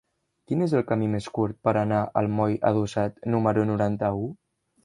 Quin és el camí més curt per anar al moll Adossat número noranta-u?